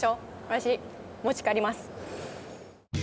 私持ち帰ります。